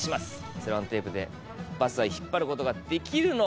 セロハンテープでバスは引っ張ることができるのか？